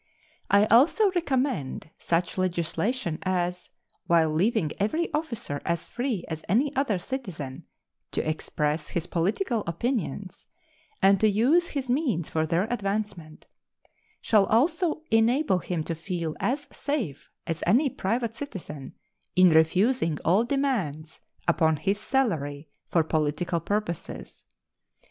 I also recommend such legislation as, while leaving every officer as free as any other citizen to express his political opinions and to use his means for their advancement, shall also enable him to feel as safe as any private citizen in refusing all demands upon his salary for political purposes.